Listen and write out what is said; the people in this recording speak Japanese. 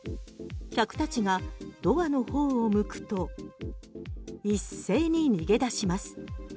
客たちがドアの方を向くと一斉に逃げ出します。